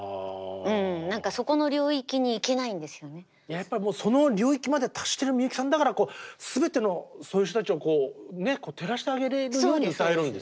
やっぱりもうその領域まで達してるみゆきさんだから全てのそういう人たちを照らしてあげれるように歌えるんです。